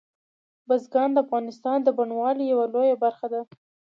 بزګان د افغانستان د بڼوالۍ یوه لویه برخه ده.